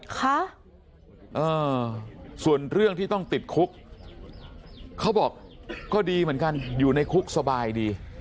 ค่ะเออส่วนเรื่องที่ต้องติดคุกเขาบอกก็ดีเหมือนกันอยู่ในคุกสบายดี